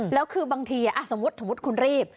แล้วคือบางทีสมมุติสมมุติคุณรีบ